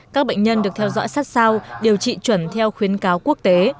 các bệnh nhân được theo dõi sát sao điều trị chuẩn theo khuyến cáo quốc tế